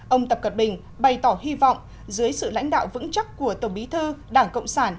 ông tập cận bình bày tỏ hy vọng dưới sự lãnh đạo vững chắc của tổng bí thư đảng cộng sản